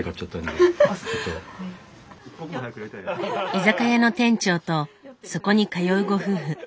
居酒屋の店長とそこに通うご夫婦。